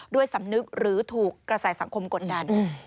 สำนึกหรือถูกกระแสสังคมกดดัน